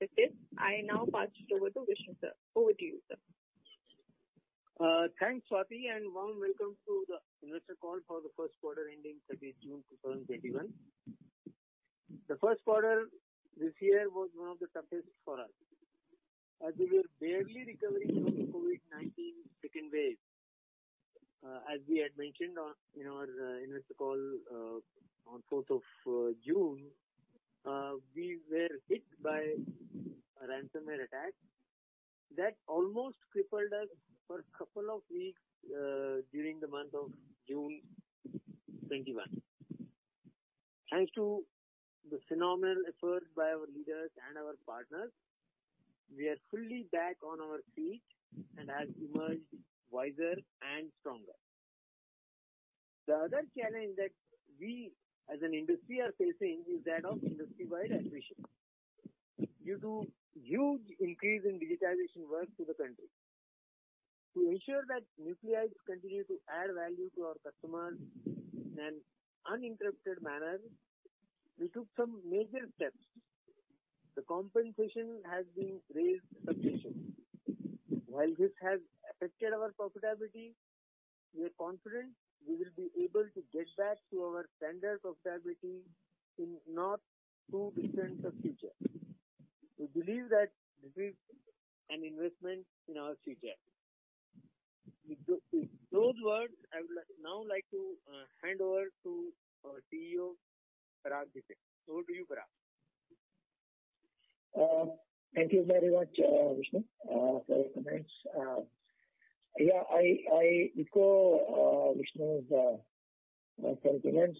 With this, I now pass it over to Vishnu Sir. Over to you, Sir. Thanks, Swati, and warm welcome to the investor call for the first quarter ending June 30th, 2021. The first quarter this year was one of the toughest for us. As we were barely recovering from the COVID-19 second wave, as we had mentioned in our investor call on June 4th, we were hit by a ransomware attack that almost crippled us for a couple of weeks during the month of June 2021. Thanks to the phenomenal efforts by our leaders and our partners, we are fully back on our feet and have emerged wiser and stronger. The other challenge that we as an industry are facing is that of industry-wide attrition due to huge increase in digitization work to the country. To ensure that Nucleus continues to add value to our customers in an uninterrupted manner, we took some major steps. The compensation has been raised substantially. While this has affected our profitability, we are confident we will be able to get back to our standard profitability in not too distant a future. We believe that this is an investment in our future. With those words, I would now like to hand over to our CEO, Parag Bhise. Over to you, Parag. Thank you very much, Vishnu, for your comments. I echo Vishnu's sentiments.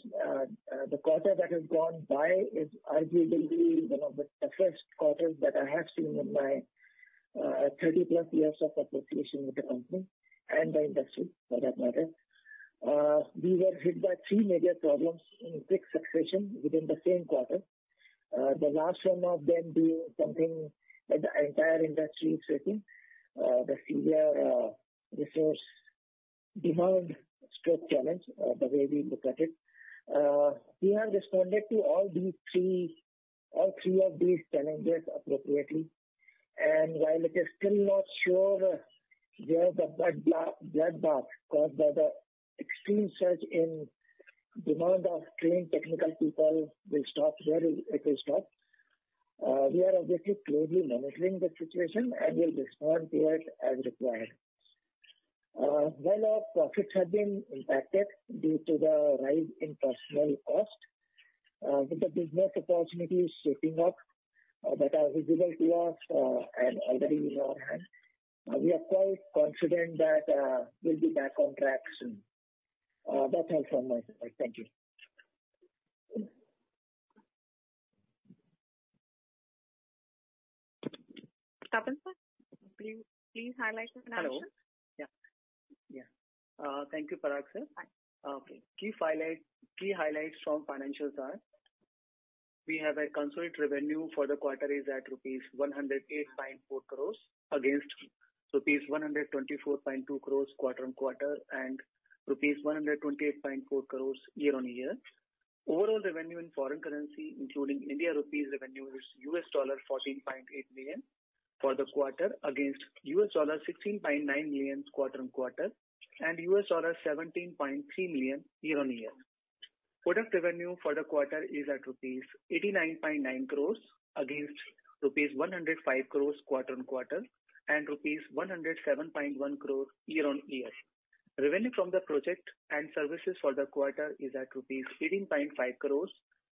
The quarter that has gone by is arguably one of the toughest quarters that I have seen in my 30+ years of association with the company and the industry for that matter. We were hit by three major problems in quick succession within the same quarter. The last one of them being something that the entire industry is facing, the senior resource demand shock challenge, the way we look at it. We have responded to all three of these challenges appropriately. While it is still not sure where the bloodbath caused by the extreme surge in demand of trained technical people will stop, we are obviously closely monitoring the situation and will respond to it as required. While our profits have been impacted due to the rise in personnel cost, with the business opportunities shaping up that are visible to us and already in our hand, we are quite confident that we'll be back on track soon. That's all from my side. Thank you. Tapan Sir, please highlight the financials. Hello. Thank you, Parag Sir. Key highlights from financials are: we have our consolidated revenue for the quarter is at rupees 108.4 crore against rupees 124.2 crore quarter-on-quarter and rupees 128.4 crore year-on-year. Overall revenue in foreign currency, including India rupees revenue, is $14.8 million for the quarter against $16.9 million quarter-on-quarter, and $17.3 million year-on-year. Product revenue for the quarter is at rupees 89.9 crore against rupees 105 crore quarter-on-quarter, and rupees 107.1 crore year-on-year. Revenue from the project and services for the quarter is at rupees 15.5 crore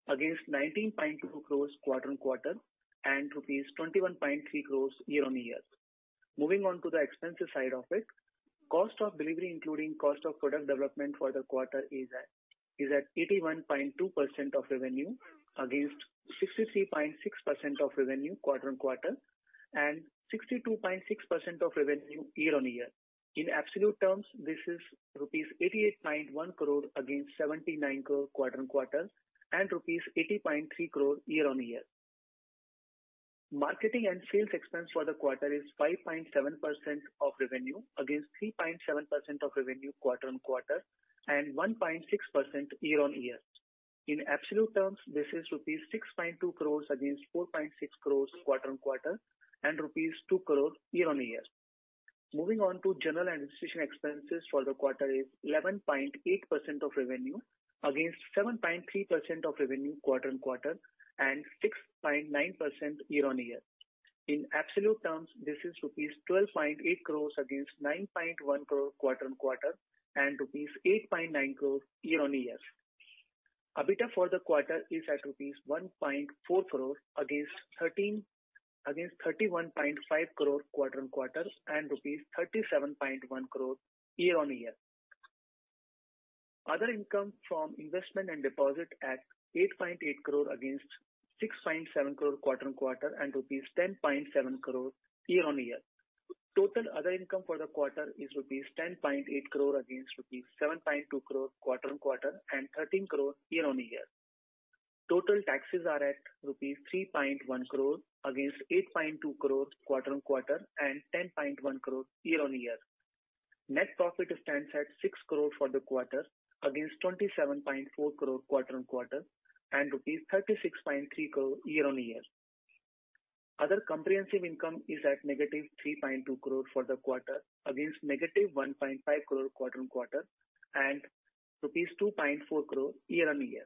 against 19.2 crore quarter-on-quarter, and rupees 21.3 crore year-on-year. Moving on to the expenses side of it. Cost of delivery, including cost of product development for the quarter, is at 81.2% of revenue against 63.6% of revenue quarter-on-quarter, and 62.6% of revenue year-on-year. In absolute terms, this is rupees 88.1 crore against 79 crore quarter-on-quarter, and rupees 80.3 crore year-on-year. Marketing and sales expense for the quarter is 5.7% of revenue against 3.7% of revenue quarter-on-quarter and 1.6% year-on-year. In absolute terms, this is rupees 6.2 crores against 4.6 crores quarter-on-quarter, and rupees 2 crore year-on-year. Moving on to general and administration expenses for the quarter is 11.8% of revenue against 7.3% of revenue quarter-on-quarter, and 6.9% year-on-year. In absolute terms, this is rupees 12.8 crores against 9.1 crore quarter-on-quarter, and rupees 8.9 crore year-on-year. EBITDA for the quarter is at rupees 1.4 crore against 31.5 crore quarter-on-quarter, and rupees 37.1 crore year-on-year. Other income from investment and deposit at 8.8 crore against 6.7 crore quarter-on-quarter, and rupees 10.7 crore year-on-year. Total other income for the quarter is rupees 10.8 crore against rupees 7.2 crore quarter-on-quarter, and 13 crore year-on-year. Total taxes are at rupees 3.1 crore against 8.2 crore quarter-on-quarter, and 10.1 crore year-on-year. Net profit stands at 6 crores for the quarter against 27.4 crores quarter-on-quarter and rupees 36.3 crores year-on-year. Other comprehensive income is at -3.2 crores for the quarter against -1.5 crores quarter-on-quarter and INR 2.4 crores year-on-year.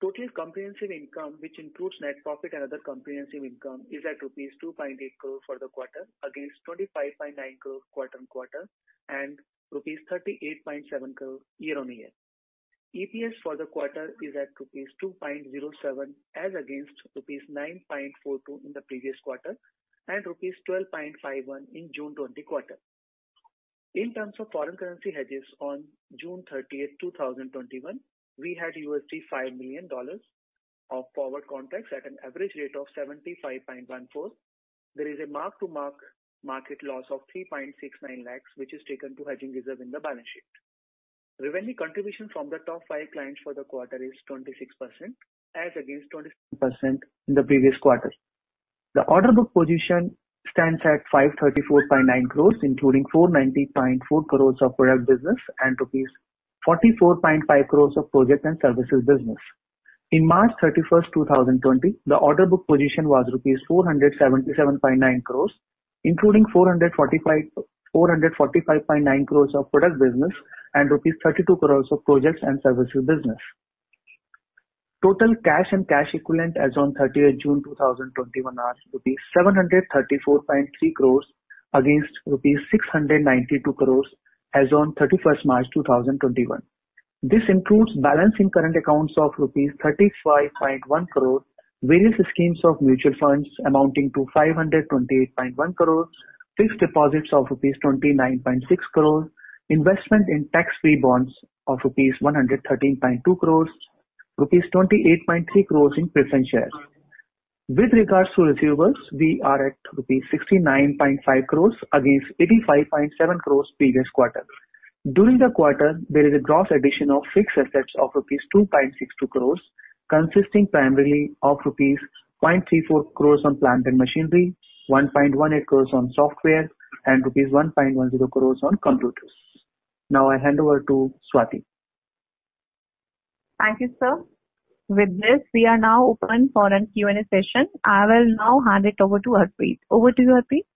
Total comprehensive income, which includes net profit and other comprehensive income, is at rupees 2.8 crores for the quarter against 25.9 crores quarter-on-quarter and rupees 38.7 crores year-on-year. EPS for the quarter is at rupees 2.07, as against rupees 9.42 in the previous quarter and rupees 12.51 in June 2020 quarter. In terms of foreign currency hedges on June 30, 2021, we had $5 million of forward contracts at an average rate of 75.14. There is a mark-to-market loss of 3.69 lakhs, which is taken to hedging reserve in the balance sheet. Revenue contribution from the top five clients for the quarter is 26%, as against 27% in the previous quarter. The order book position stands at 534.9 crores, including 490.4 crores of product business and rupees 44.5 crores of projects and services business. In March 31, 2020, the order book position was rupees 477.9 crores, including 445.9 crores of product business and rupees 32 crores of projects and services business. Total cash and cash equivalent as on June 30th, 2021, are rupees 734.3 crores against rupees 692 crores as on March 31st, 2021. This includes balance in current accounts of rupees 35.1 crores, various schemes of mutual funds amounting to 528.1 crores, fixed deposits of rupees 29.6 crores, investment in tax-free bonds of rupees 113.2 crores, rupees 28.3 crores in preference shares. With regards to receivables, we are at rupees 69.5 crores against 85.7 crores previous quarter. During the quarter, there is a gross addition of fixed assets of rupees 2.62 crores, consisting primarily of rupees 0.34 crores on plant and machinery, 1.18 crores on software, and rupees 1.10 crores on computers. Now I hand over to Swati. Thank you, Sir. With this, we are now open for an Q&A session. I will now hand it over to Harpreet. Over to you, Harpreet.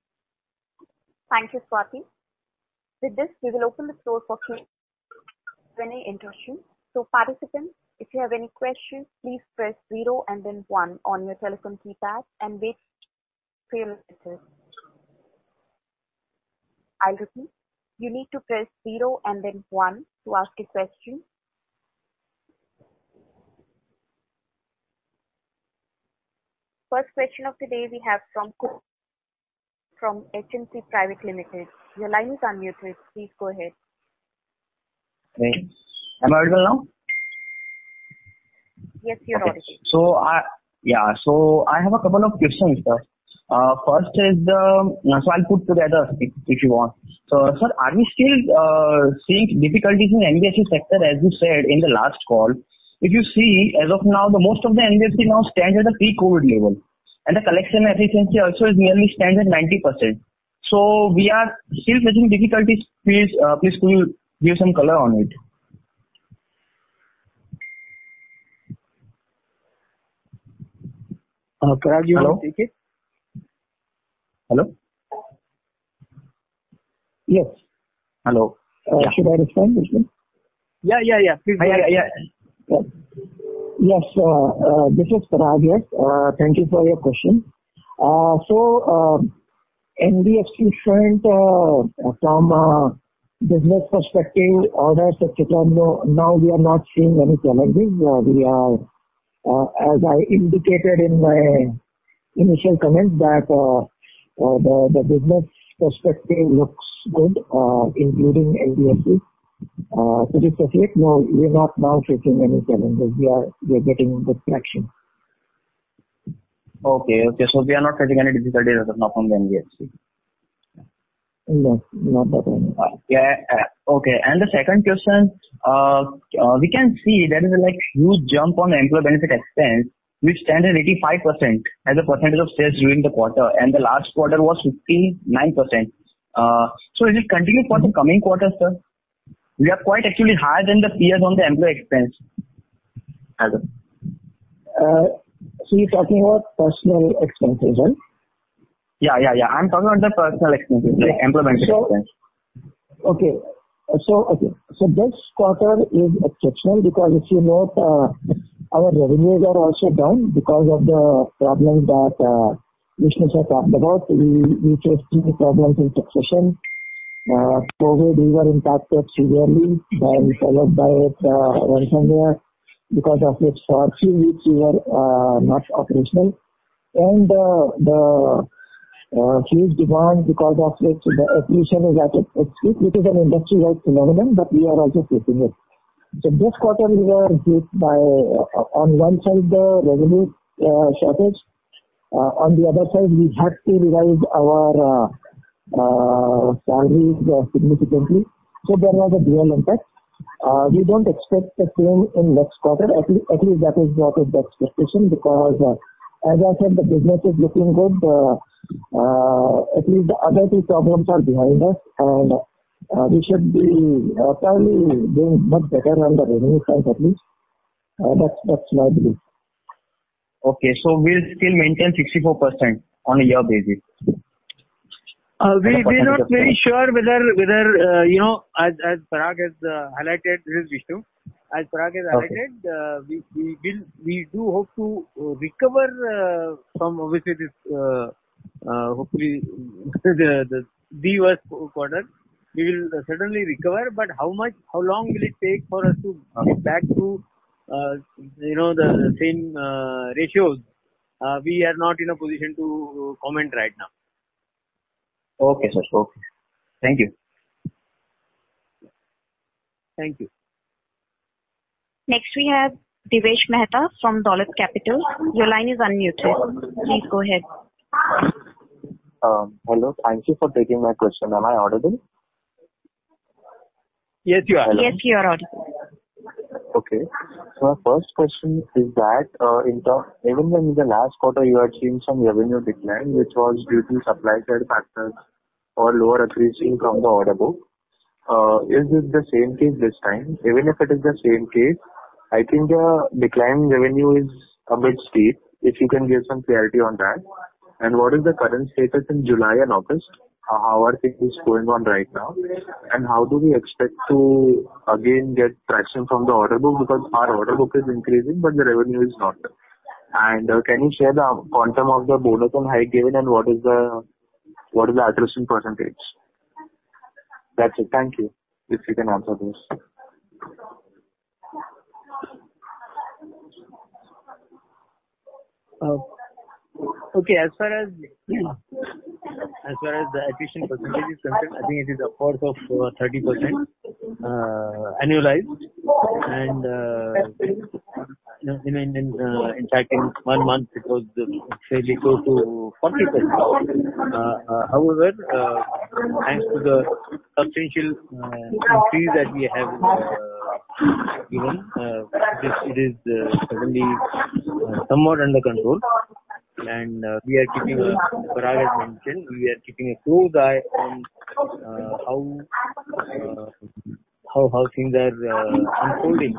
Thank you, Swati. With this, we will open the floor for Q&A interlude. Participants, if you have any questions, please press zero and then one on your telephone keypad and wait to be answered. I repeat, you need to press zero and then one to ask a question. First question of the day we have [inaudible] from HNC Private Limited. Your line is unmuted. Please go ahead. Great. Am I audible now? Yes, you're audible. I have a couple of questions, Sir. First is, I'll put together if you want. Sir, are we still seeing difficulties in the NBFC sector, as you said in the last call? If you see, as of now, the most of the NBFC now stands at a pre-COVID level, and the collection efficiency also is nearly stands at 90%. We are still facing difficulties. Please could you give some color on it? Parag, do you want to take it? Hello? Yes. Hello. Should I respond, Vishnu? Yeah, please. Yes. This is Parag. Thank you for your question. NBFC front, from a business perspective, orders, et cetera, now we are not seeing any challenges. As I indicated in my initial comments that the business perspective looks good, including NBFC. To be specific, no, we are not now facing any challenges. We are getting good collection. Okay. We are not facing any difficulties as of now from the NBFC? No, not at the moment. Okay. The second question, we can see there is a huge jump on the employee benefit expense, which stands at 85% as a percentage of sales during the quarter, and the last quarter was 59%. Will it continue for the coming quarters, Sir? We are quite actually higher than the peers on the employee expense as of- You're talking about personal expense, is it? Yeah. I'm talking about the personal expense, like employee benefit expense. Okay. This quarter is exceptional because if you note, our revenues are also down because of the problems that Vishnu Sir talked about. We faced three problems in succession. COVID, we were impacted severely, followed by ransomware. Because of it, for a few weeks, we were not operational, and the huge demand because of it, the attrition is at its peak. It is an industry-wide phenomenon, but we are also facing it. This quarter we were hit by, on one side, the revenue shortage. On the other side, we had to revise our salaries significantly. There was a dual impact We don't expect the same in next quarter, at least that is not the expectation because, as I said, the business is looking good. At least the other two problems are behind us, and we should be fairly doing much better on the revenue front, at least. That's my belief. Okay, we'll still maintain 64% on a year basis. We are not very sure. As Parag has highlighted, this is Vishnu. Okay. We do hope to recover from obviously this, hopefully, the worst quarter. We will certainly recover. How long will it take for us to. Okay. get back to the same ratios? We are not in a position to comment right now. Okay, Sir. Thank you. Thank you. Next, we have Divyesh Mehta from Dolat Capital. Your line is unmuted. Please go ahead. Hello. Thank you for taking my question. Am I audible? Yes, you are. Yes, you are audible. Okay. My first question is that even in the last quarter, you had seen some revenue decline which was due to supply side factors or lower attrition from the order book. Is it the same case this time? Even if it is the same case, I think the decline in revenue is a bit steep. If you can give some clarity on that. What is the current status in July and August? How are things going on right now, and how do we expect to again get traction from the order book? Because our order book is increasing, but the revenue is not. Can you share the quantum of the bonus on hike given and what is the attrition percentage? That's it. Thank you. If you can answer this. Okay. As far as the attrition percentage is concerned, I think it is a fourth of 30% annualized. In fact, in one month, it was fairly close to 40%. However, thanks to the substantial increase that we have given, it is suddenly somewhat under control, and as Parag has mentioned, we are keeping a close eye on how things are unfolding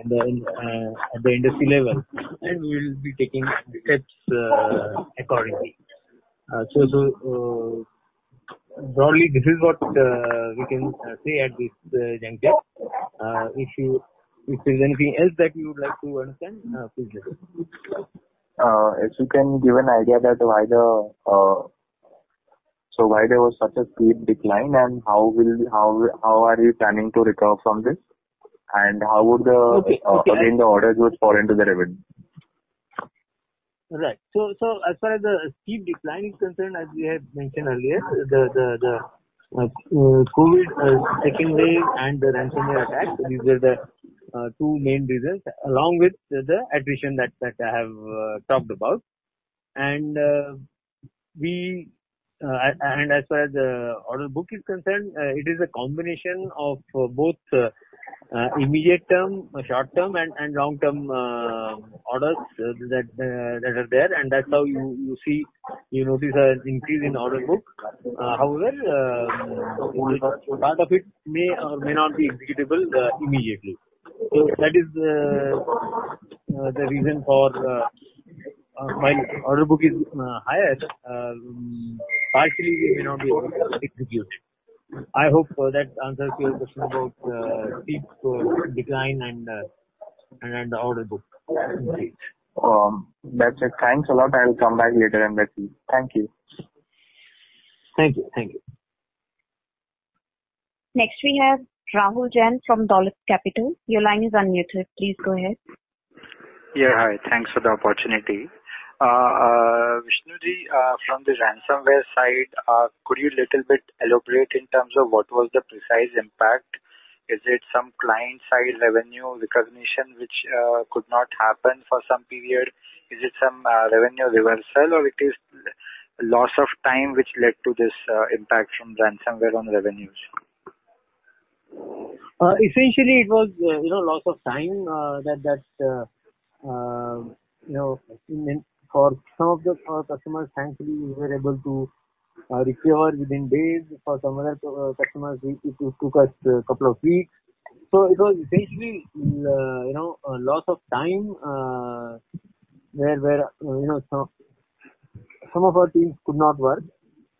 at the industry level, and we will be taking steps accordingly. Broadly, this is what we can say at this juncture. If there's anything else that you would like to understand, please let us know. If you can give an idea as to why there was such a steep decline, and how are you planning to recover from this? Okay Pending orders would fall into the revenue? As far as the steep decline is concerned, as we had mentioned earlier, the COVID-19 second wave and the ransomware attacks, these were the two main reasons, along with the attrition that I have talked about. As far as the order book is concerned, it is a combination of both immediate-term, short-term, and long-term orders that are there, and that's how you notice an increase in order book. Part of it may or may not be executable immediately. That is the reason for while order book is highest, partially we may not be able to execute. I hope that answers your question about steep decline and the order book. Great. That's it. Thanks a lot. I will come back later and let you. Thank you. Thank you. Next we have Rahul Jain from Dolat Capital. Your line is unmuted. Please go ahead. Yeah, hi. Thanks for the opportunity. Vishnu, from the ransomware side, could you little bit elaborate in terms of what was the precise impact? Is it some client-side revenue recognition which could not happen for some period? Is it some revenue reversal or it is loss of time which led to this impact from ransomware on revenues? Essentially, it was loss of time. For some of our customers, thankfully, we were able to recover within days. For some other customers, it took us a couple of weeks. It was basically a loss of time, where some of our teams could not work,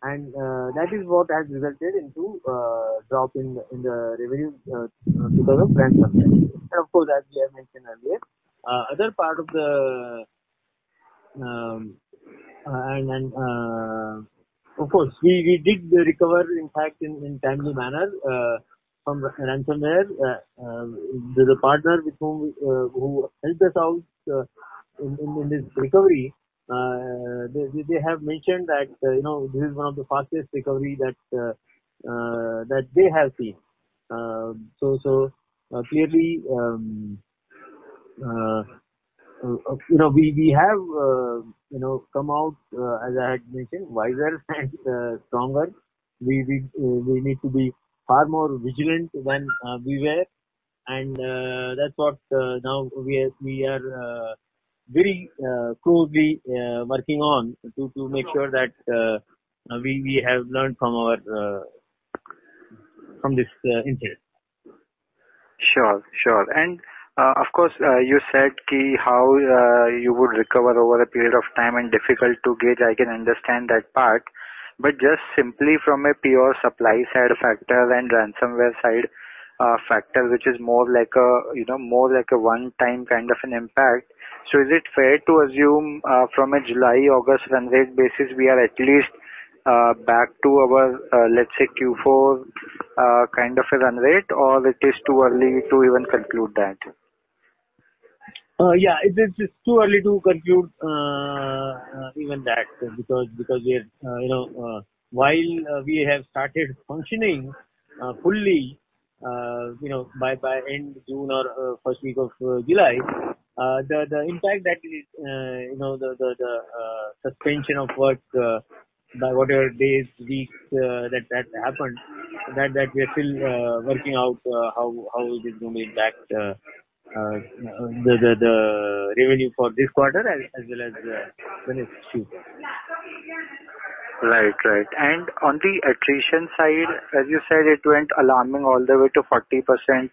and that is what has resulted into a drop in the revenue because of ransomware. As we have mentioned earlier, we did recover, in fact, in timely manner from ransomware. There's a partner who helped us out in this recovery. They have mentioned that this is one of the fastest recovery that they have seen. Clearly, we have come out, as I had mentioned, wiser and stronger. We need to be far more vigilant than we were, and that's what now we are very closely working on to make sure that we have learned from this incident. Sure. Of course, you said how you would recover over a period of time and difficult to gauge, I can understand that part. Just simply from a pure supply side factor and ransomware side factor, which is more like a 1x kind of an impact. Is it fair to assume from a July, August run rate basis, we are at least back to our, let's say, Q4 kind of a run rate, or it is too early to even conclude that? Yeah, it is too early to conclude even that, because while we have started functioning fully by end June or first week of July, the impact that the suspension of work by whatever days, weeks that happened, we are still working out how is it going to impact the revenue for this quarter as well as when it's cheaper. Right. On the attrition side, as you said, it went alarming all the way to 40%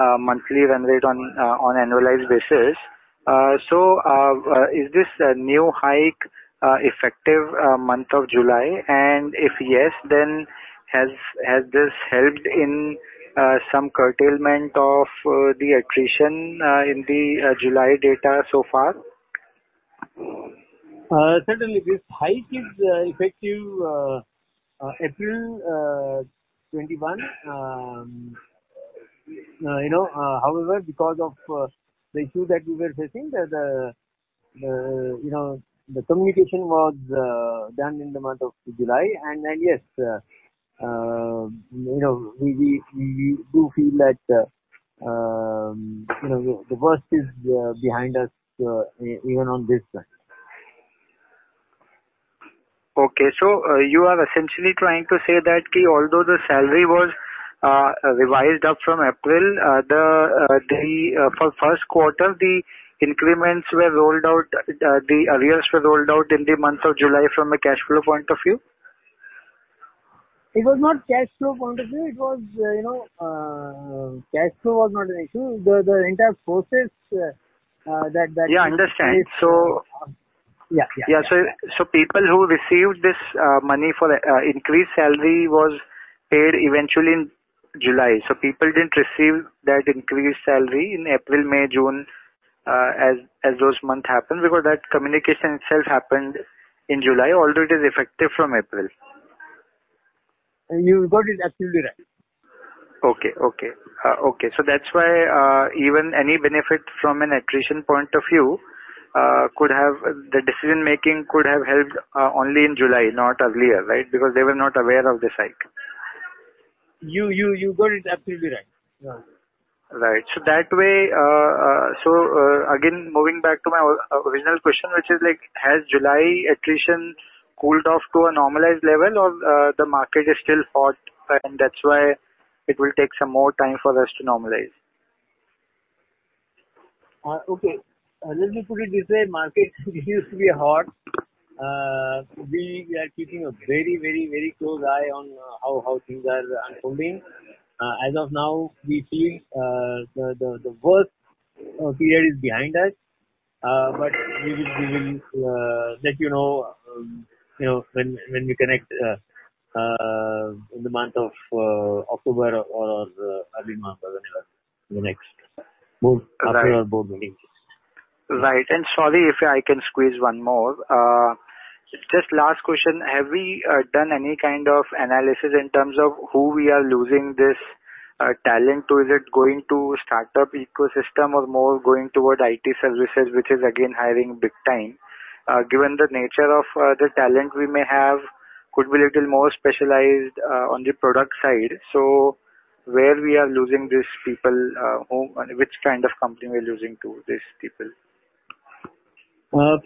monthly run rate on annualized basis. Is this new hike effective month of July? If yes, then has this helped in some curtailment of the attrition in the July data so far? Certainly, this hike is effective April 21. However, because of the issue that we were facing, the communication was done in the month of July, and yes, we do feel that the worst is behind us even on this front. You are essentially trying to say that although the salary was revised up from April, for first quarter, the increments were rolled out, the arrears were rolled out in the month of July from a cash flow point of view? It was not cash flow point of view. Cash flow was not an issue. The entire process. Yeah, understand. Yeah. People who received this money for increased salary was paid eventually in July. People didn't receive that increased salary in April, May, June as those months happened because that communication itself happened in July, although it is effective from April. You got it absolutely right. Okay. That's why even any benefit from an attrition point of view, the decision-making could have helped only in July, not earlier, right? They were not aware of this hike. You got it absolutely right. Yeah. Right. Again, moving back to my original question, which is, has July attrition cooled off to a normalized level or the market is still hot and that's why it will take some more time for us to normalize? Okay. Let me put it this way. Market seems to be hot. We are keeping a very close eye on how things are unfolding. As of now, we feel the worst period is behind us. We will let you know when we connect in the month of October or early November, whenever the next board meeting is. Right. Sorry if I can squeeze one more. Just last question. Have we done any kind of analysis in terms of who we are losing this talent to? Is it going to startup ecosystem or more going toward IT services, which is again hiring big time? Given the nature of the talent we may have could be little more specialized on the product side, so where we are losing these people, and which kind of company we are losing to these people?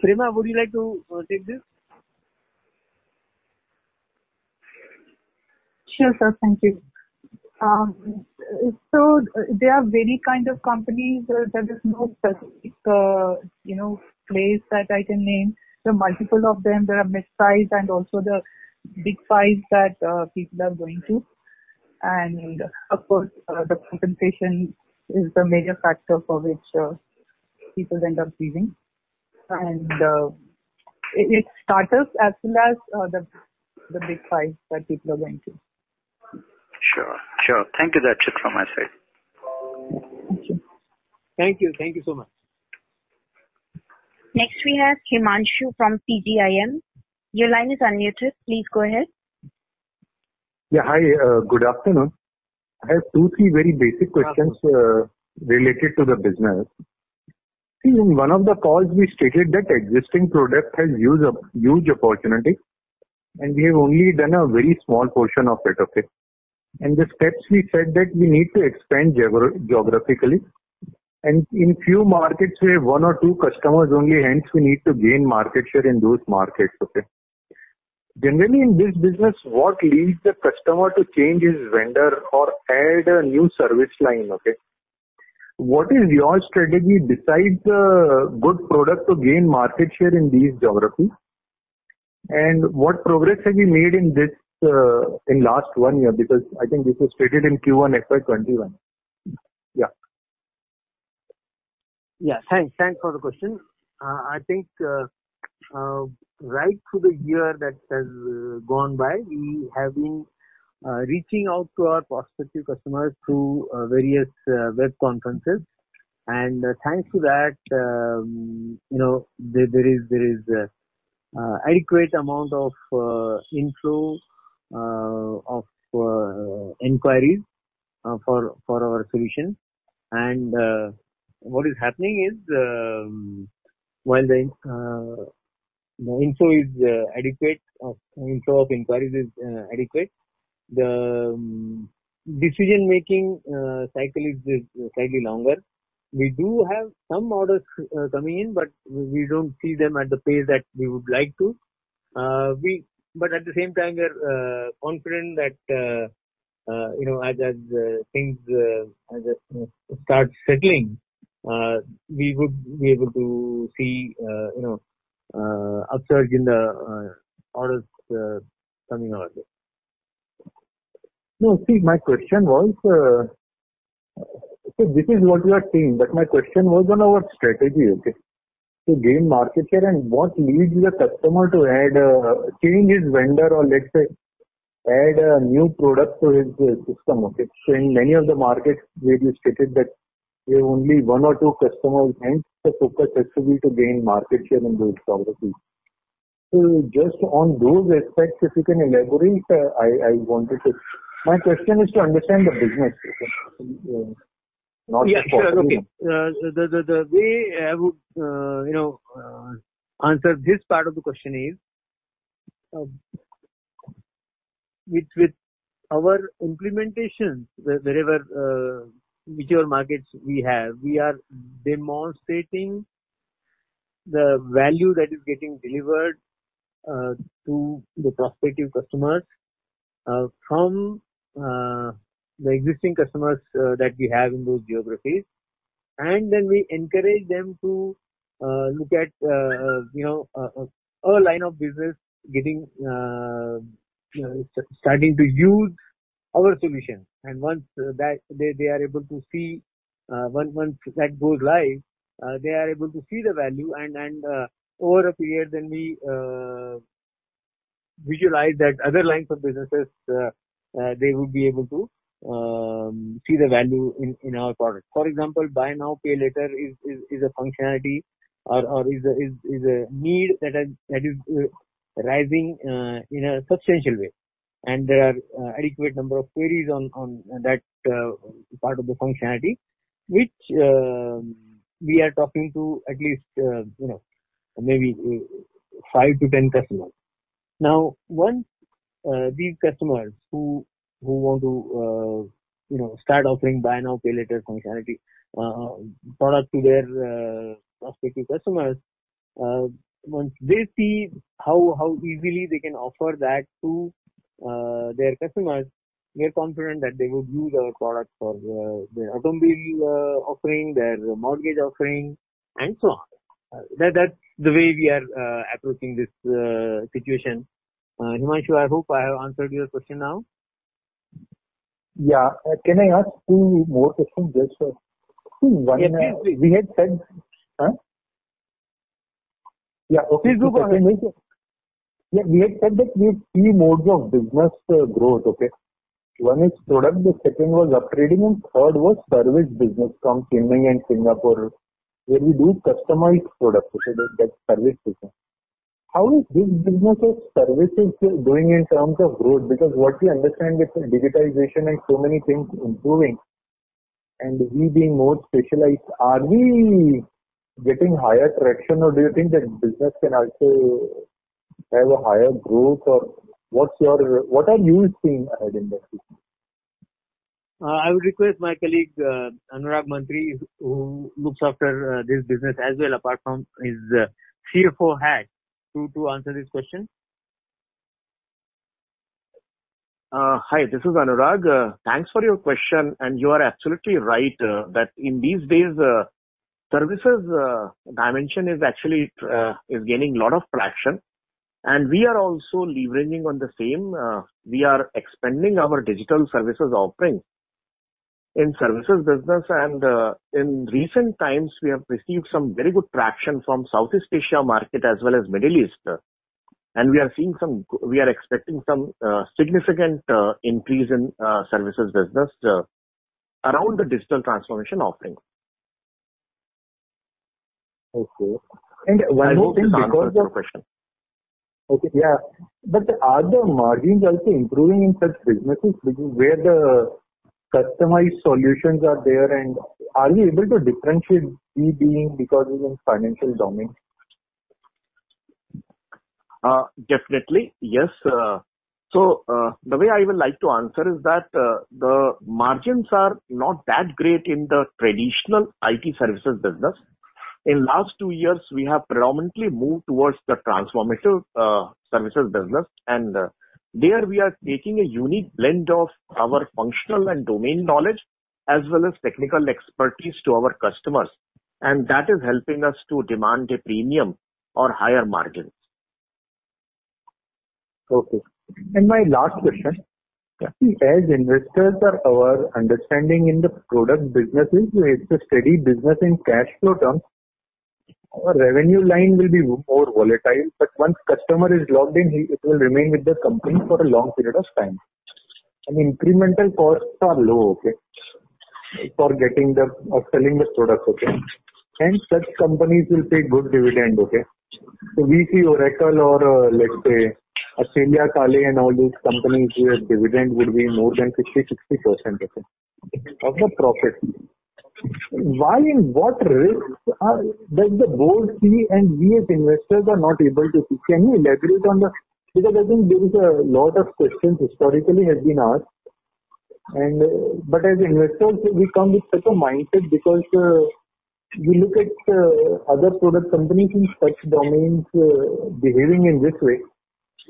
Prema, would you like to take this? Sure, Sir. Thank you. There are many kind of companies. There is no specific place that I can name. There are multiple of them. There are midsize and also the big size that people are going to. Of course, the compensation is the major factor for which people end up leaving. It's startups as well as the big size that people are going to. Sure. Thank you. That is it from my side. Thank you. Thank you so much. Next we have Himanshu from PGIM. Your line is unmuted, please go ahead. Yeah, hi. Good afternoon. I have two, three very basic questions related to the business. See, in one of the calls we stated that existing product has huge opportunity. And we have only done a very small portion of it. The steps we said that we need to expand geographically. In few markets, we have one or two customers only, hence we need to gain market share in those markets. Generally, in this business, what leads the customer to change his vendor or add a new service line. What is your strategy besides a good product to gain market share in these geographies? What progress have you made in last one year? I think this was stated in Q1 FY 2021. Yeah. Thanks for the question. I think right through the year that has gone by, we have been reaching out to our prospective customers through various web conferences. Thanks to that, there is adequate amount of inflow of inquiries for our solutions. What is happening is, while the inflow of inquiries is adequate, the decision-making cycle is slightly longer. We do have some orders coming in, but we don't see them at the pace that we would like to. At the same time, we are confident that as things start settling, we would be able to see upsurge in the orders coming our way. No, see, my question was this is what you are saying, but my question was on our strategy to gain market share and what leads the customer to change his vendor or let's say, add a new product to his system. In many of the markets, where you stated that we have only one or two customers, hence the focus has to be to gain market share in those geographies. Just on those aspects, if you can elaborate, my question is to understand the business. Yeah, sure. Okay. The way I would answer this part of the question is, with our implementations, wherever whichever markets we have, we are demonstrating the value that is getting delivered to the prospective customers from the existing customers that we have in those geographies. Then we encourage them to look at all line of business starting to use our solutions. Once that goes live, they are able to see the value, and over a period, then we visualize those other lines of businesses, they would be able to see the value in our product. For example, buy now, pay later is a functionality or is a need that is rising in a substantial way. There are adequate number of queries on that part of the functionality, which we are talking to at least maybe 5-10 customers. Once these customers who want to start offering buy now, pay later functionality product to their prospective customers, once they see how easily they can offer that to their customers, we are confident that they would use our product for their automobile offering, their mortgage offering, and so on. That's the way we are approaching this situation. Himanshu, I hope I have answered your question now. Yeah. Can I ask two more questions? Yeah, please do. We had said- Huh? Yeah, please do go ahead. We had said that we have three modes of business growth. One is product, the second was upgrading, and third was service business from Germany and Singapore, where we do customized product, which is the service business. How is this business of services doing in terms of growth? Because what we understand with the digitization and so many things improving and we being more specialized, are we getting higher traction or do you think that business can also have a higher growth or what are you seeing ahead in the future? I would request my colleague, Anurag Mantri, who looks after this business as well, apart from his CFO hat, to answer this question. Hi, this is Anurag. Thanks for your question, and you are absolutely right that in these days, services dimension is actually gaining lot of traction, and we are also leveraging on the same. We are expanding our digital services offering in services business, and in recent times, we have received some very good traction from Southeast Asia market as well as Middle East. We are expecting some significant increase in services business around the digital transformation offering. Okay. One more thing. I hope this answers your question. Okay, yeah. Are the margins also improving in such businesses where the customized solutions are there, and are you able to differentiate we being because we're in financial domain? Definitely, yes. The way I would like to answer is that the margins are not that great in the traditional IT services business. In last two years, we have predominantly moved towards the transformative services business, and there we are taking a unique blend of our functional and domain knowledge as well as technical expertise to our customers, and that is helping us to demand a premium or higher margins. Okay. My last question. Yeah. As investors our understanding in the product business is it's a steady business in cash flow terms. Our revenue line will be more volatile, but once customer is logged in, it will remain with the company for a long period of time. Incremental costs are low. For getting the or selling the product. Hence, such companies will pay good dividend. We see Oracle or let's say, Atlassian, SAP, and all these companies where dividend would be more than 50%-60% of the profit. Why and what risks does the board see and we as investors are not able to see? Can you elaborate on the Because I think there is a lot of questions historically has been asked. As investors, we come with such a mindset because we look at other product companies in such domains behaving in this way,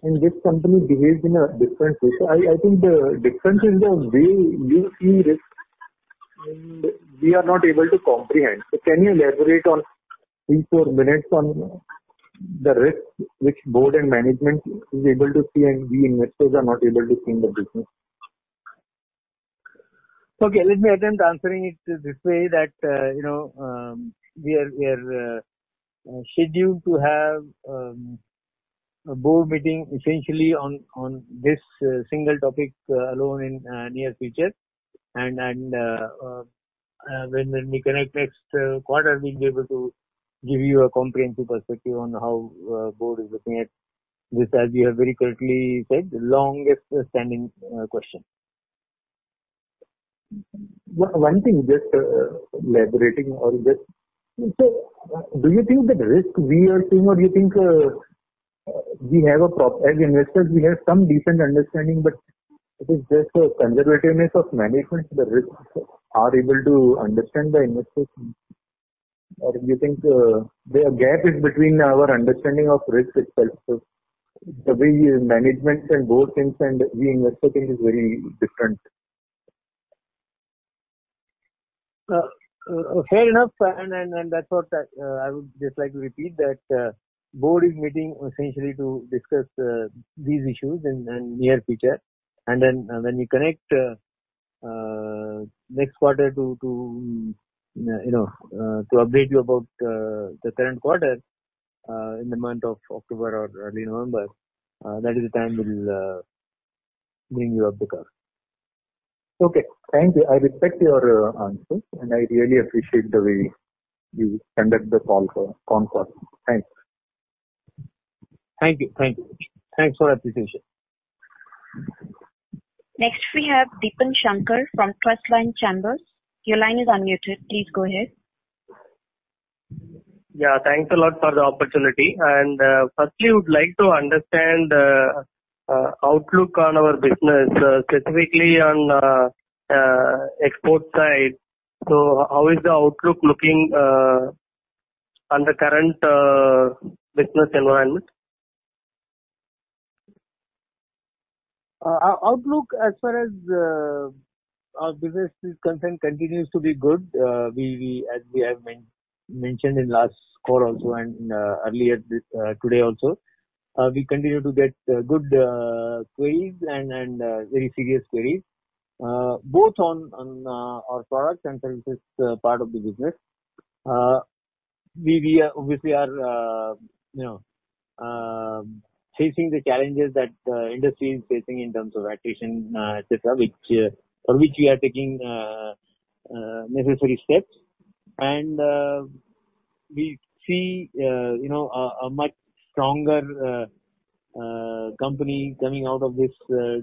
and this company behaves in a different way. I think the difference is the way you see risk, and we are not able to comprehend. Can you elaborate on three, four minutes on the risk which board and management is able to see and we investors are not able to see in the business? Okay. Let me attempt answering it this way that we are scheduled to have a board meeting essentially on this single topic alone in near future. When we connect next quarter, we'll be able to give you a comprehensive perspective on how board is looking at this, as you have very correctly said, the longest standing question. One thing, just elaborating on this. Do you think the risk we are seeing or do you think as investors we have some decent understanding, but it is just a conservativeness of management, the risks are able to understand the investors? Do you think the gap is between our understanding of risk itself? The way management and board thinks and we investor think is very different. Fair enough, that's what I would just like to repeat, that Board is meeting essentially to discuss these issues in near future. When we connect next quarter to update you about the current quarter, in the month of October or early November, that is the time we'll bring you up to course. Okay. Thank you. I respect your answers. I really appreciate the way you conduct the call for conference. Thanks. Thank you. Thanks for appreciation. Next, we have Dipan Shankar from Trustline Chambers. Your line is unmuted. Please go ahead. Yeah. Thanks a lot for the opportunity. Firstly, would like to understand outlook on our business, specifically on export side. How is the outlook looking on the current business environment? Our outlook as far as our business is concerned, continues to be good. As we have mentioned in last call also and earlier today also, we continue to get good queries and very serious queries, both on our product and services part of the business. We obviously are facing the challenges that the industry is facing in terms of attrition, et cetera, for which we are taking necessary steps. We see a much stronger company coming out of this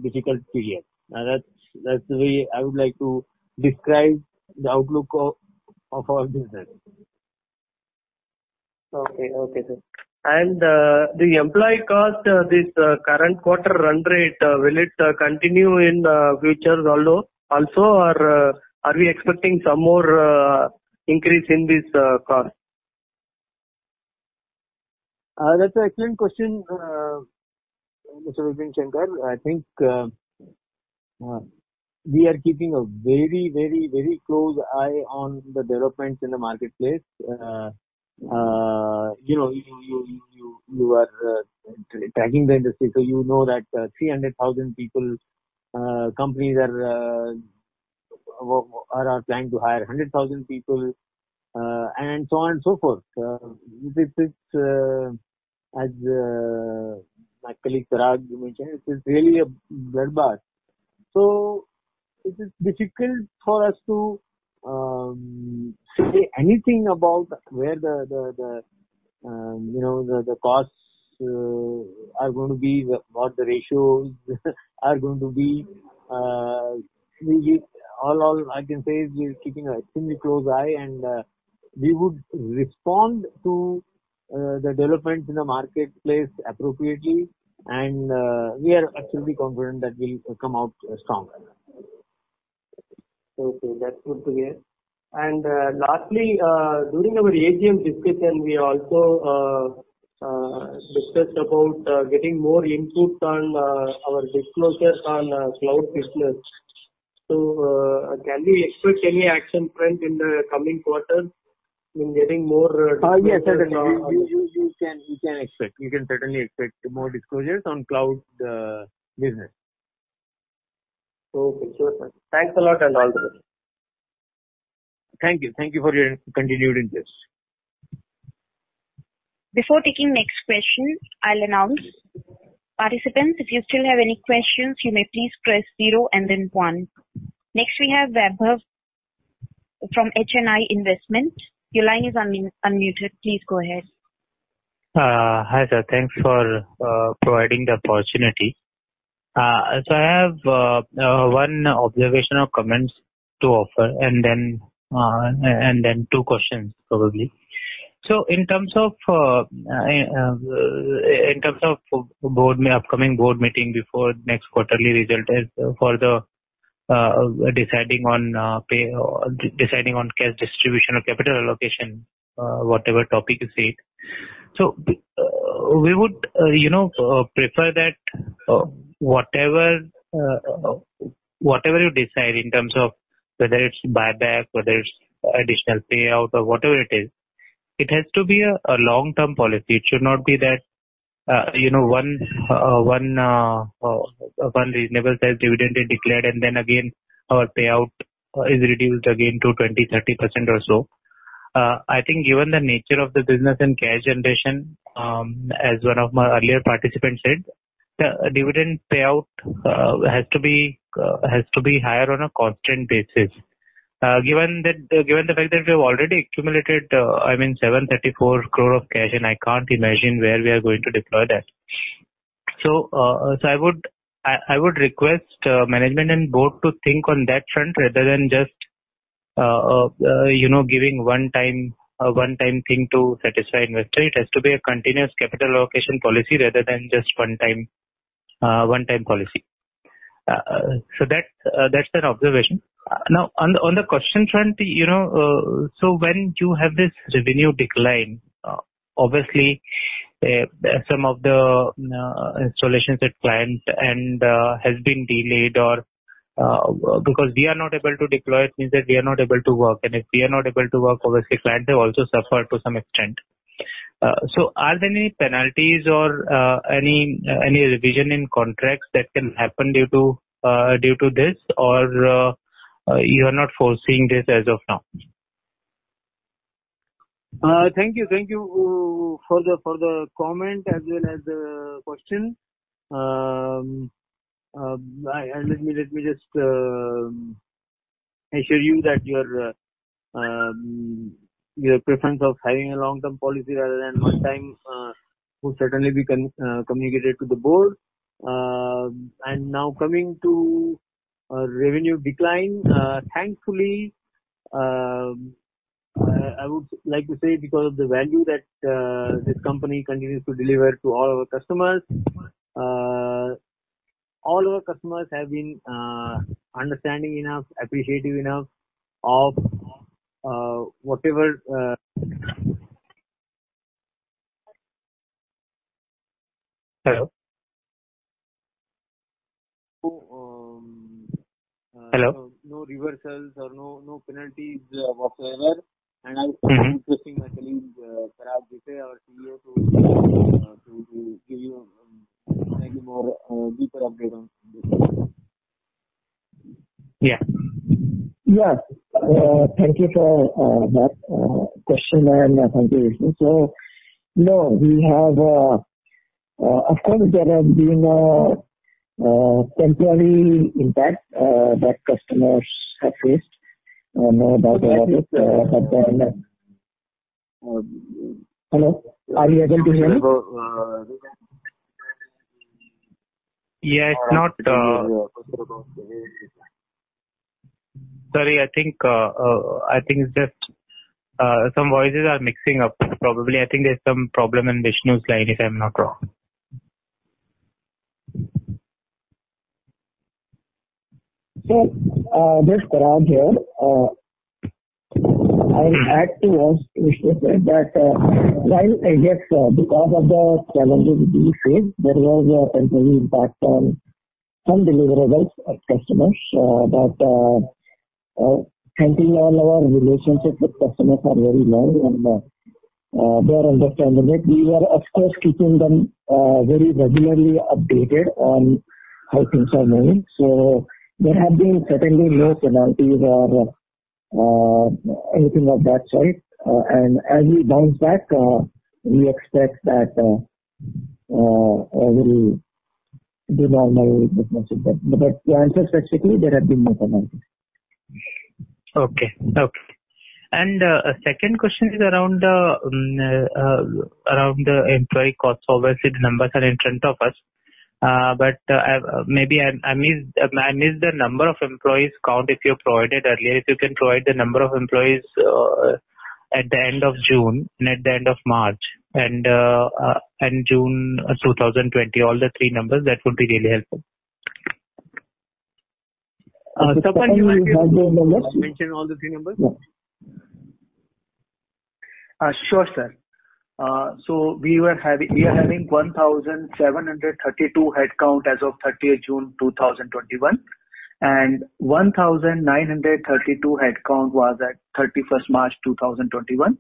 difficult period. That's the way I would like to describe the outlook of our business. Okay. The employee cost, this current quarter run rate, will it continue in future also or are we expecting some more increase in this cost? That's an excellent question, Mr. Dipan Shankar. I think we are keeping a very close eye on the developments in the marketplace. You are tracking the industry, so you know that 300,000 people, companies are planning to hire 100,000 people, and so on and so forth. As my colleague, Parag, mentioned, this is really a bloodbath. It is difficult for us to say anything about. The costs are going to be what the ratios are going to be. All I can say is we are keeping an extremely close eye and we would respond to the developments in the marketplace appropriately. We are absolutely confident that we'll come out stronger. Okay. That's good to hear. Lastly, during our AGM discussion, we also discussed about getting more inputs on our disclosure on cloud business. Can we expect any action front in the coming quarter in getting more- Yes, certainly. You can expect. You can certainly expect more disclosures on cloud business. Okay, sure. Thanks a lot and all the best. Thank you. Thank you for your continued interest. Before taking next question, I will announce. Participants, if you still have any questions, you may please press zero and then one. Next, we have Vaibhav from HNI Investment. Your line is unmuted. Please go ahead. Hi, Sir. Thanks for providing the opportunity. I have one observation or comments to offer and then two questions probably. In terms of upcoming board meeting before next quarterly result is for the deciding on cash distribution or capital allocation, whatever topic you said. We would prefer that whatever you decide in terms of whether it's buyback, whether it's additional payout or whatever it is, it has to be a long-term policy. It should not be that one reasonable self-dividend is declared and then again our payout is reduced again to 20%, 30% or so. I think given the nature of the business and cash generation, as one of my earlier participants said, the dividend payout has to be higher on a constant basis. Given the fact that we have already accumulated 734 crore of cash, and I can't imagine where we are going to deploy that. I would request management and board to think on that front rather than just giving 1x thing to satisfy investor. It has to be a continuous capital allocation policy rather than just 1x policy. That's an observation. On the question front, when you have this revenue decline, obviously some of the installations at client end has been delayed or because we are not able to deploy it means that we are not able to work. If we are not able to work, obviously clients, they also suffer to some extent. Are there any penalties or any revision in contracts that can happen due to this, or you are not foreseeing this as of now? Thank you for the comment as well as the question. Let me just assure you that your preference of having a long-term policy rather than 1x will certainly be communicated to the board. Now coming to revenue decline, thankfully, I would like to say because of the value that this company continues to deliver to all our customers, all our customers have been understanding enough, appreciative enough of whatever. Hello? No reversals or no penalties whatsoever. I'll my colleague, Parag, our CEO, to give you maybe a deeper update on this. Yeah. Yes. Thank you for that question and contribution. No, of course, there have been a temporary impact that customers have faced, no doubt about it. Hello, are you able to hear me? Yeah, it's not Sorry, I think it's just some voices are mixing up probably. I think there's some problem in Vishnu's line, if I'm not wrong. This is Parag here. I'll add to what Vishnu said, that while I guess because of the challenges we faced, there was a temporary impact on some deliverables of customers. Thankfully, all our relationships with customers are very long, and they are understanding it. We were, of course, keeping them very regularly updated on how things are moving. There have been certainly no penalties or anything of that sort. As we bounce back, we expect that everything will be normal with most of them. To answer specifically, there have been no penalties. Okay. Second question is around the employee cost. Obviously, the numbers are in front of us. But maybe I missed the number of employees count, if you provided earlier. If you can provide the number of employees at the end of June and at the end of March and June 2020, all the three numbers, that would be really helpful. The numbers. Mention all the three numbers. Yeah. Sure, Sir. We are having 1,732 headcounts as of June 30th, 2021, and 1,932 headcount was at March 31st, 2021,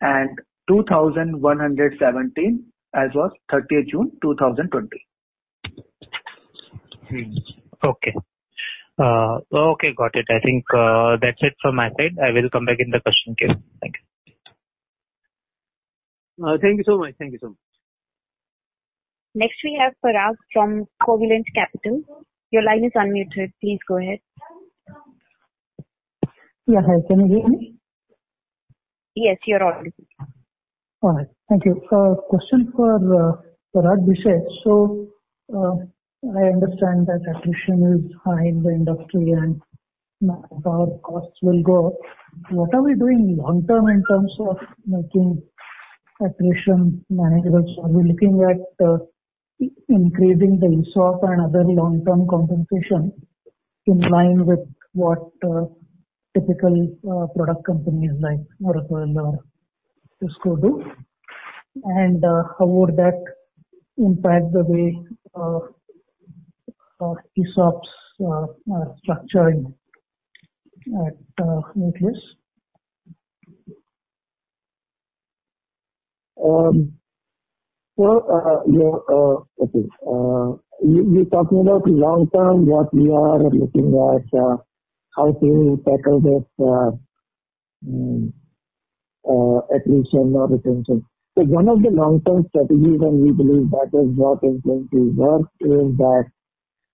and 2,117 as of June 30th, 2020. Okay. Got it. I think that's it from my side. I will come back in the question queue. Thank you. Thank you so much. Next we have Parag from Covalent Capital. Your line is unmuted. Please go ahead. Yeah. Hi, can you hear me? Yes, you're all good. All right. Thank you. Question for Vishnu. I understand that attrition is high in the industry and our costs will go up. What are we doing long-term in terms of making attrition manageable? Are we looking at increasing the ESOP and other long-term compensation in line with what typical product companies like Oracle or Cisco do? How would that impact the way ESOP's structuring at Nucleus? You're talking about long-term, what we are looking at, how to tackle this attrition or retention. One of the long-term strategies, and we believe that is what is going to work, is that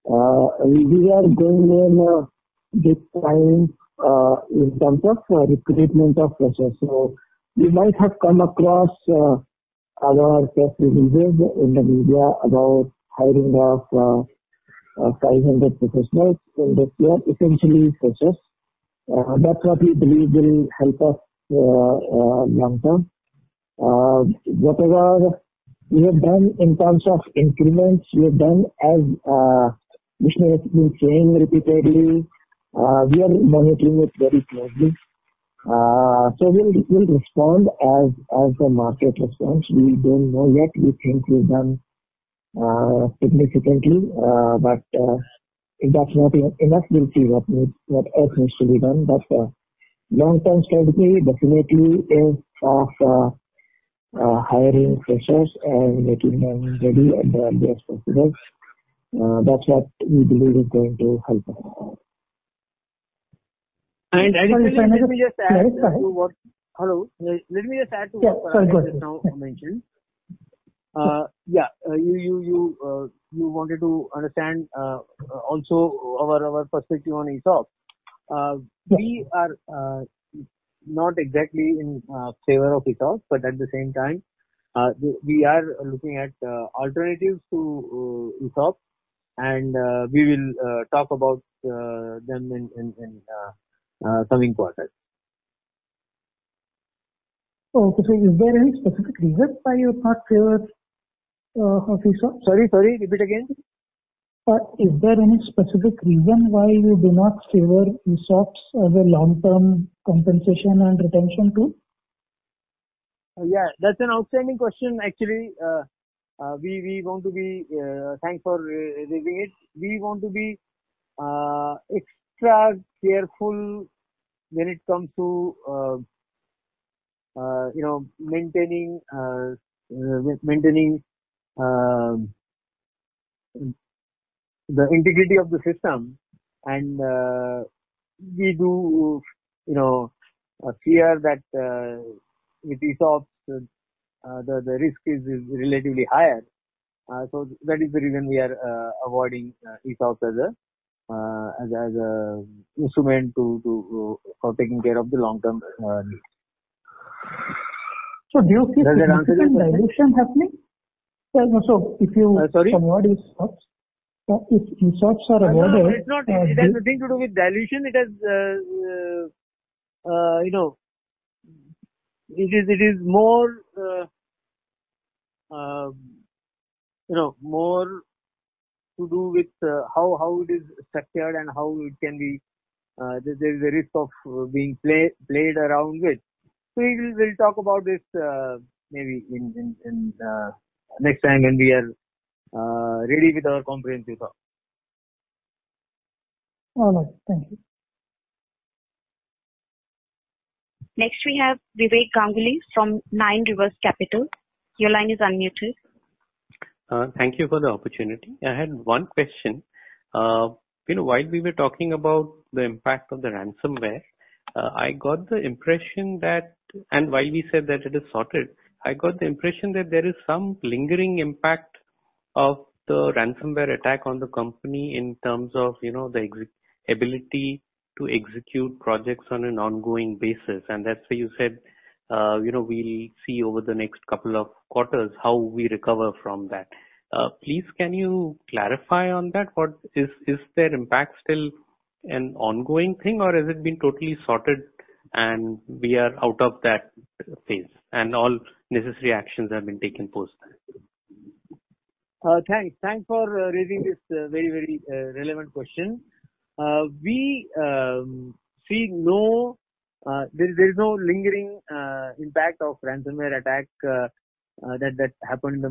we are going in big time in terms of recruitment of freshers. You might have come across our press releases in the media about hiring of 500 professionals, and they're essentially freshers. That's what we believe will help us long-term. Whatever we have done in terms of increments, we have done, as Vishnu has been saying repeatedly, we are monitoring it very closely. We'll respond as the market responds. We don't know yet. We think we've done significantly, but if that's not enough, we'll see what else needs to be done. Long-term strategy definitely is of hiring freshers and making them ready at the earliest possible. That's what we believe is going to help us. Let me just add. Yes, go ahead. to what Vishnu now mentioned. Yeah. You wanted to understand also our perspective on ESOP. We are not exactly in favor of ESOP, but at the same time, we are looking at alternatives to ESOP, and we will talk about them in coming quarters. Okay. Is there any specific reason why you're not in favor of ESOP? Sorry. Repeat again. Is there any specific reason why you do not favor ESOPs as a long-term compensation and retention tool? Yeah, that's an outstanding question, actually. Thanks for raising it. We want to be extra careful when it comes to maintaining the integrity of the system, and we do fear that with ESOPs, the risk is relatively higher. That is the reason we are avoiding ESOPs as an instrument for taking care of the long-term needs. So do you see- Does that answer your question? Significant dilution happening? Sorry. Convert ESOPs. If ESOPs are awarded No, it has nothing to do with dilution. It is more to do with how it is structured and how there is a risk of being played around with. We'll talk about this maybe next time when we are ready with our comprehensive thought. All right. Thank you. Next we have Vivek Ganguly from Nine Rivers Capital. Thank you for the opportunity. I had one question. While we were talking about the impact of the ransomware, and while we said that it is sorted, I got the impression that there is some lingering impact of the ransomware attack on the company in terms of the ability to execute projects on an ongoing basis, and that's why you said, we'll see over the next two quarters how we recover from that. Please, can you clarify on that? Is their impact still an ongoing thing or has it been totally sorted and we are out of that phase, and all necessary actions have been taken post that? Thanks for raising this very relevant question. There is no lingering impact of ransomware attack that happened in the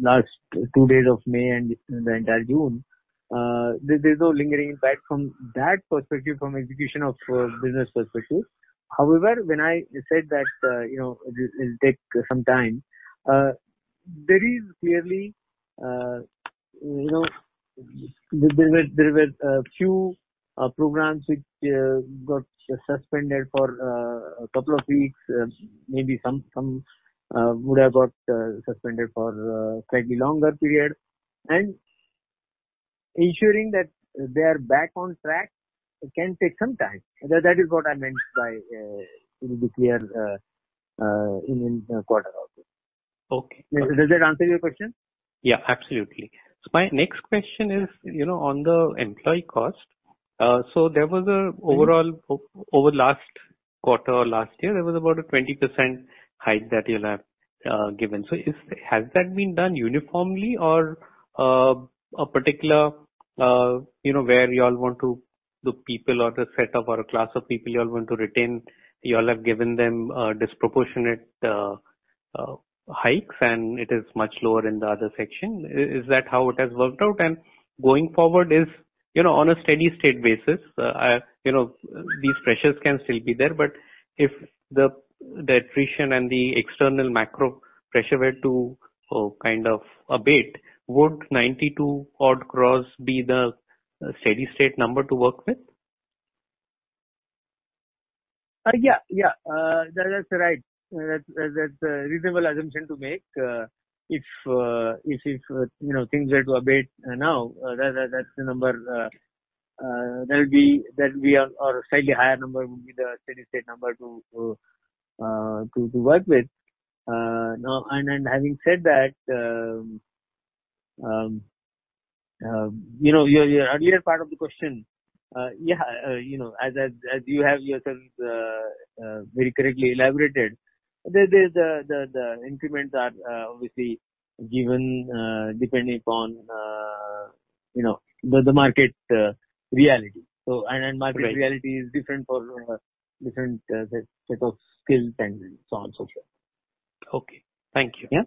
last two days of May and the entire June. There's no lingering impact from that perspective, from execution of business perspective. When I said that it'll take some time. There were a few programs which got suspended for two weeks, maybe some would have got suspended for a slightly longer period and ensuring that they are back on track can take some time. That is what I meant by it will be clear in the quarter outcome. Okay. Does that answer your question? Yeah, absolutely. My next question is on the employee cost. There was a overall, over last quarter or last year, there was about a 20% hike that you'll have given. Has that been done uniformly or a particular the people or the set of, or a class of people you all want to retain, you all have given them disproportionate hikes, and it is much lower in the other section. Is that how it has worked out? Going forward, on a steady state basis these pressures can still be there, but if the attrition and the external macro pressure were to kind of abate, would 92 odd crore be the steady state number to work with? Yeah. That's right. That's a reasonable assumption to make. If things were to abate now, that's the number. There'll be a slightly higher number would be the steady state number to work with. Having said that, your earlier part of the question, yeah, as you have yourself very correctly elaborated, the increments are obviously given depending upon the market reality. Market reality is different for different set of skills and so on, so forth. Okay. Thank you. Yeah.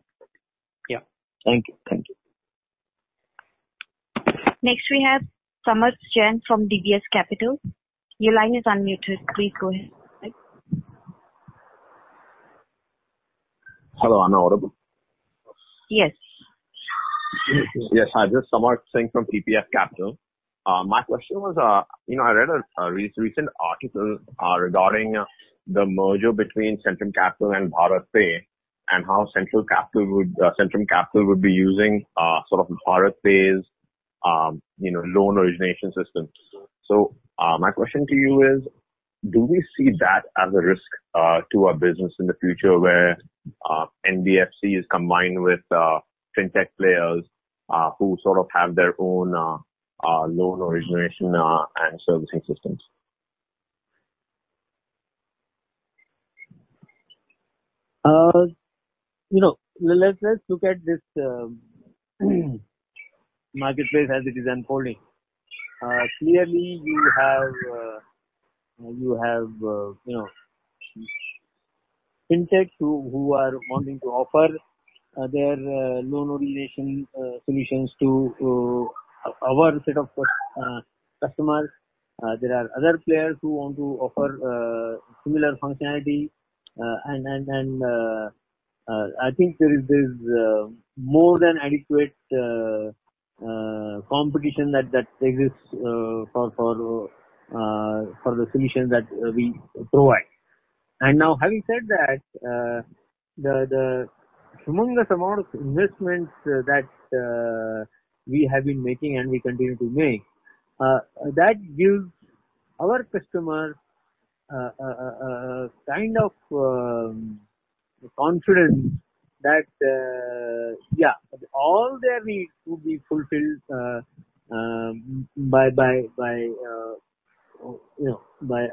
Yeah. Thank you. Next we have Samarth Singh from TPF Capital. Your line is unmuted. Please go ahead. Hello, am I audible? Yes. Yes, hi. This is Samarth Singh from TPF Capital. My question was, I read a recent article regarding the merger between Centrum Capital and BharatPe, and how Centrum Capital would be using sort of BharatPe's loan origination systems. My question to you is, do we see that as a risk to our business in the future where NBFC is combined with fintech players who sort of have their own loan origination and servicing systems? Let's just look at this marketplace as it is unfolding. Clearly, you have fintechs who are wanting to offer their loan origination solutions to our set of customers. There are other players who want to offer similar functionality. I think there is this more than adequate competition that exists for the solutions that we provide. Now, having said that, the humongous amount of investments that we have been making and we continue to make, that gives our customers a kind of confidence that, yeah, all their needs could be fulfilled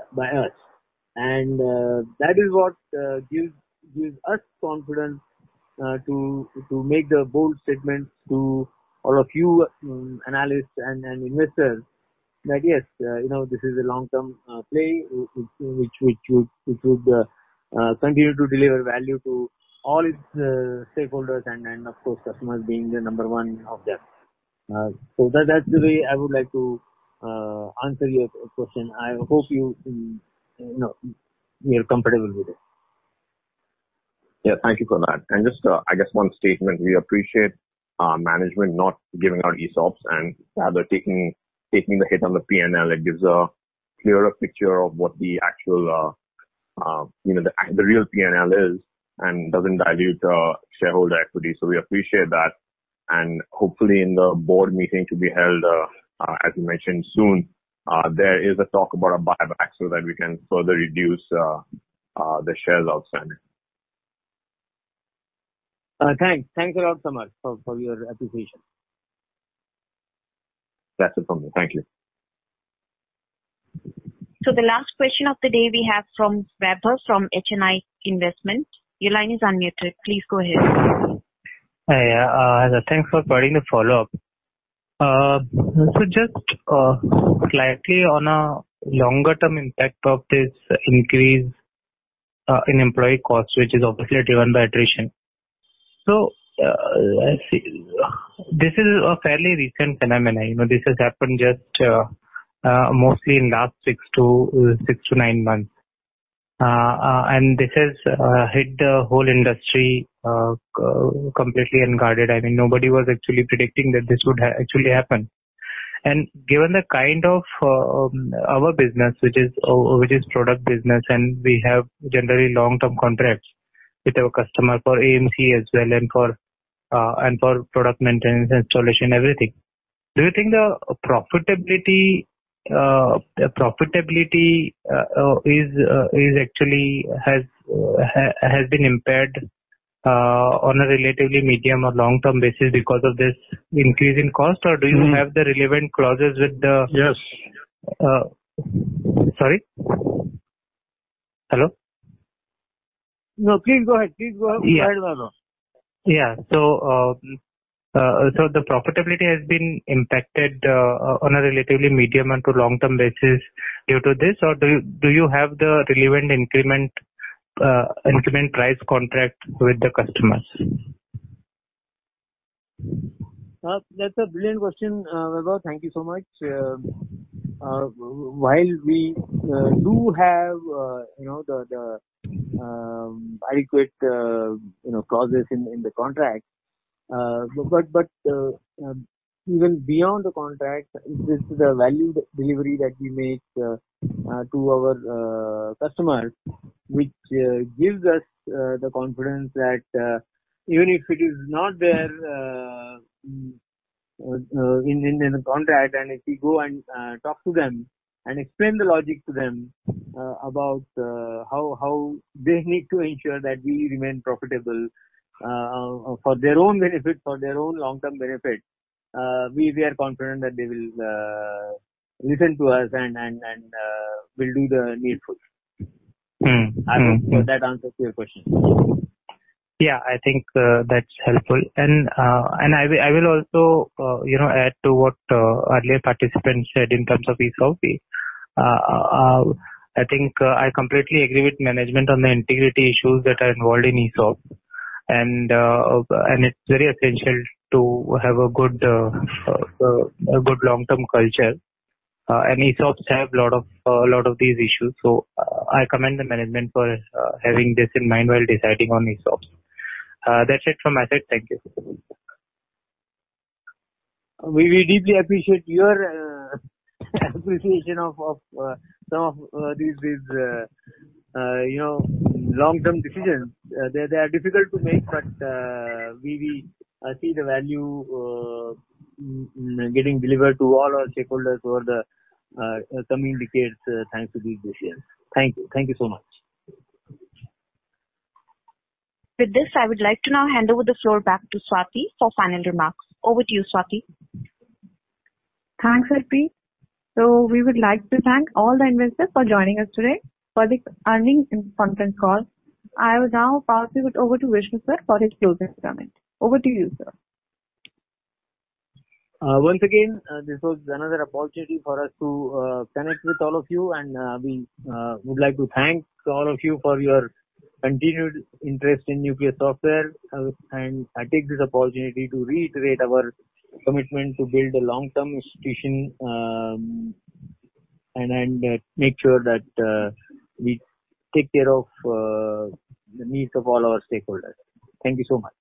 by us. That is what gives us confidence to make the bold statements to all of you analysts and investors that, yes, this is a long-term play which would continue to deliver value to all its stakeholders and of course, customers being the number one of them. That's the way I would like to answer your question. I hope you're comfortable with it. Yeah, thank you for that. Just, I guess one statement. We appreciate management not giving out ESOPs and rather taking the hit on the P&L. It gives a clearer picture of what the real P&L is and doesn't dilute shareholder equity. We appreciate that, and hopefully in the board meeting to be held, as you mentioned, soon, there is a talk about a buyback so that we can further reduce the shares outstanding. Thanks a lot, Samarth, for your appreciation. That's it from me. Thank you. The last question of the day we have from Vaibhav from HNI Investment. Your line is unmuted. Please go ahead. Hi. Thanks for putting the follow-up. Just slightly on a longer-term impact of this increase in employee cost, which is obviously driven by attrition. This is a fairly recent phenomenon. This has happened just mostly in last six to nine months. This has hit the whole industry completely unguarded. Nobody was actually predicting that this would actually happen. Given the kind of our business, which is product business, and we have generally long-term contracts with our customer for AMC as well and for product maintenance, installation, everything. Do you think the profitability actually has been impaired on a relatively medium or long-term basis because of this increase in cost, or do you have the relevant clauses? Yes. Sorry. Hello? No, please go ahead. Yeah. The profitability has been impacted on a relatively medium and to long-term basis due to this, or do you have the relevant increment price contract with the customers? That's a brilliant question, Vaibhav. Thank you so much. While we do have the adequate clauses in the contract, but even beyond the contract, this is a value delivery that we make to our customers, which gives us the confidence that even if it is not there in the contract and if we go and talk to them and explain the logic to them about how they need to ensure that we remain profitable for their own benefit, for their own long-term benefit, we are confident that they will listen to us and will do the needful. I hope that answers your question. Yeah, I think that's helpful. I will also add to what earlier participants said in terms of ESOP. I think I completely agree with management on the integrity issues that are involved in ESOP, and it's very essential to have a good long-term culture. ESOPs have a lot of these issues. I commend the management for having this in mind while deciding on ESOPs. That's it from my side. Thank you. We deeply appreciate your appreciation of some of these long-term decisions. They are difficult to make, but we see the value getting delivered to all our stakeholders over the coming decades thanks to these decisions. Thank you. Thank you so much. With this, I would like to now hand over the floor back to Swati for final remarks. Over to you, Swati. Thanks, Harpreet. We would like to thank all the investors for joining us today for this earnings conference call. I will now pass it over to Vishnu Sir for his closing comment. Over to you, Sir. Once again, this was another opportunity for us to connect with all of you, and we would like to thank all of you for your continued interest in Nucleus Software. I take this opportunity to reiterate our commitment to build a long-term institution and make sure that we take care of the needs of all our stakeholders. Thank you so much.